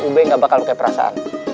ube gak bakal pakai perasaan